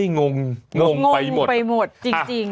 งงไปหมดจริง